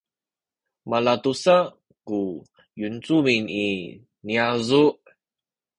malatusa ku yincumin i niyazu’